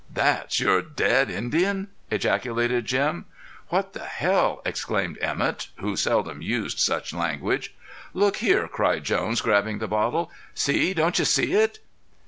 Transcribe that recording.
"That's your dead Indian!" ejaculated Jim. "What the hell!" exclaimed Emett, who seldom used such language. "Look here!" cried Jones, grabbing the bottle. "See! Don't you see it?"